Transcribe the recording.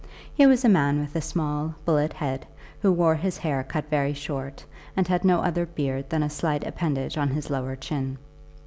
He was a man with a small bullet head, who wore his hair cut very short, and had no other beard than a slight appendage on his lower chin.